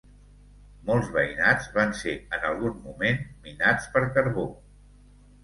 Molts veïnats van ser en algun moment minats per carbó.